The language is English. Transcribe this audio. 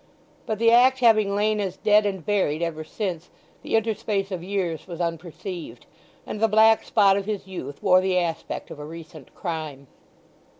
But the act having lain as dead and buried ever since, the interspace of years was unperceived; and the black spot of his youth wore the aspect of a recent crime.